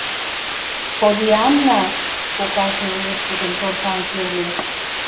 — Поллианна, — кокаже уэш тудым торжан кӱрльӧ.